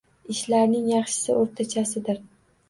Ishlarning yaxshisi o’rtachasidir.